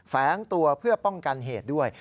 แฝงตัวเพื่อป้องกันเหตุด้วย